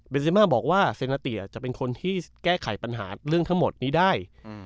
เป็นเซมาบอกว่าเซนาเตียจะเป็นคนที่แก้ไขปัญหาเรื่องทั้งหมดนี้ได้